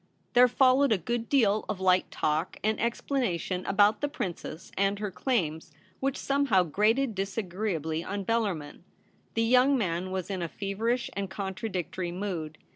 There followed a good deal of light talk and explanation about ' the Princess ' and her claims, which somehow grated disagree ably on Bellarmin. The young man w^as in a feverish and contradictory mood.